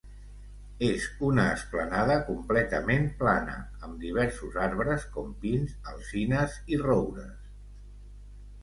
És una esplanada completament plana amb diversos arbres com pins, alzines i roures.